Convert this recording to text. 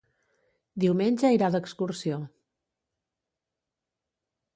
Diumenge irà d'excursió.